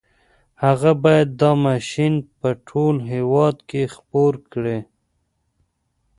هغه بايد دا ماشين په ټول هېواد کې خپور کړي.